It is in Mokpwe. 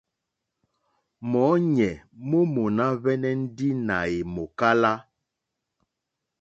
Mɔ̌ɲɛ̀ mó mòná hwɛ́nɛ́ ndí nà è mòkálá.